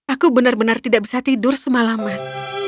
aku benar benar tidak bisa tidur semalaman